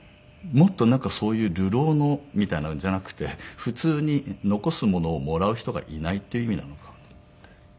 もっとそういう流浪のみたいなんじゃなくて普通に残すものをもらう人がいないっていう意味なのかと思って。